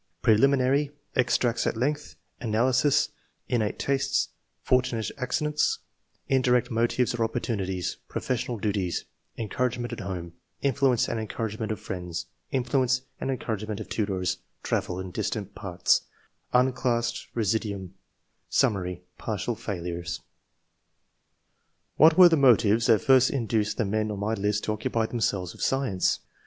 Preliminary — Extracts at length — ^Analysis ; Innate tastes — Fortunate accidents — Indirect motives or opportunities — Professional duties — ^Encouragement at home — Influence and encouragement of friends — Influence and encourage ment of tutors — Travel in distant parts — Unclassed residuum — Summary — Partial failures. What were the motives that first induced the men on my list to occupy themselves with science